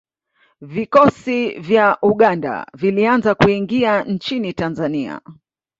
Vikosi vya Uganda vilianza kuingia nchini Tanzania